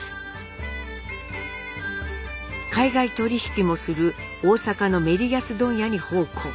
海外取引もする大阪のメリヤス問屋に奉公。